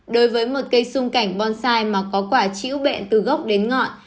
đối với một cây sung cảnh bonsai mà có quả chĩu bện từ gốc đến ngọn